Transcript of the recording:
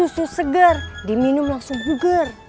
sudah minum langsung